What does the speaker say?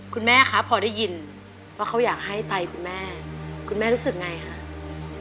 คุณแม่คะพอได้ยินว่าเขาอยากให้ไตคุณแม่คุณแม่รู้สึกไงคะ